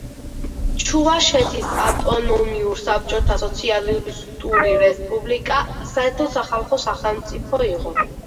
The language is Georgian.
ჩუვაშეთის ავტონომიური საბჭოთა სოციალისტური რესპუბლიკა საერთო-სახალხო სახელმწიფო იყო.